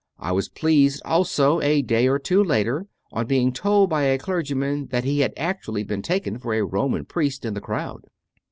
I was pleased also, a day or two later, on being told by a clergyman that he had actually been taken for a Roman priest in the crowd.